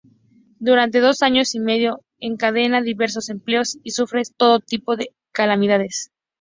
Durante dos años y medio, encadena diversos empleos y sufre todo tipo de calamidades.